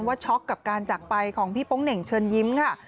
ช็อกกับการจักรไปของพี่โป๊งเหน่งเชิญยิ้มค่ะ